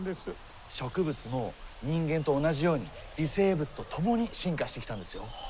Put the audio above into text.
植物も人間と同じように微生物と共に進化してきたんですよ。